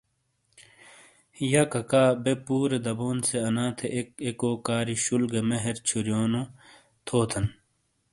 یَہہ کَکا بے پُورے دَبون سے اَنا تھے اک ایکو کاری شول گہ مہر چھوریونو تھوتھن۔